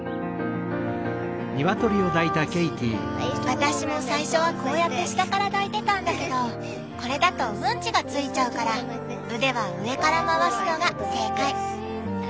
私も最初はこうやって下から抱いてたんだけどこれだとウンチが付いちゃうから腕は上から回すのが正解。